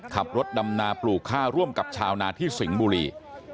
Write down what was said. ขับรถดำนาปลูกข้าวร่วมกับชาวนาที่สิงห์บุรี